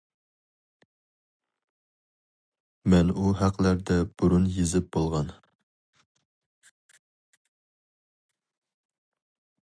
مەن ئۇ ھەقلەردە بۇرۇن يېزىپ بولغان.